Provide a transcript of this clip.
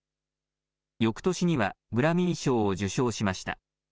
よくとしにはグラミー賞を受賞しました。